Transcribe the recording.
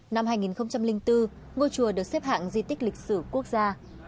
năm hai nghìn bốn ngôi chùa được xếp hạng di tích lịch sử quốc gia